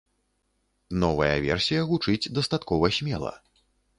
Новая версія гучыць дастаткова смела.